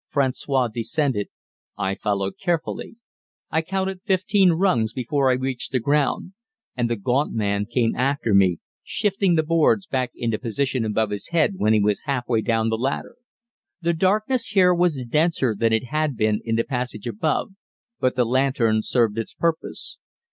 François descended, I followed carefully I counted fifteen rungs before I reached the ground and the gaunt man came after me, shifting the boards back into position above his head when he was half way down the ladder. The darkness here was denser than it had been in the passage above, but the lantern served its purpose.